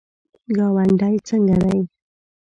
ګاونډی څنګه دی؟